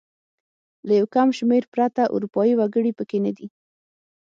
له یو کم شمېر پرته اروپايي وګړي پکې نه دي.